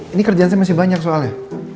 ini kerjaan saya masih banyak soalnya